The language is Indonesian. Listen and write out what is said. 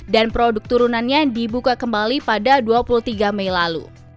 dan produk turunannya dibuka kembali pada dua puluh tiga mei lalu